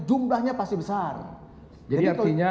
jumlahnya pasti besar jadi telinga